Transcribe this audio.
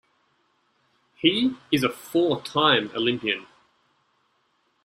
He is a four-time Olympian.